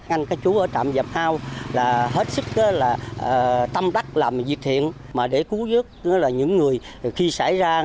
anh các chú ở trạm dầm nao là hết sức tâm đắc làm việc thiện để cứu giúp những người khi xảy ra